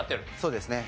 そうですね。